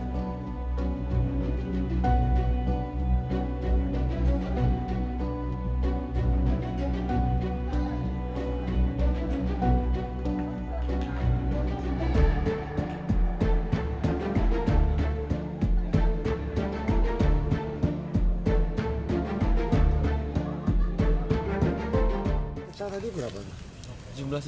kita tunggu nanti